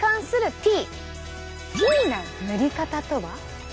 Ｔな塗り方とは？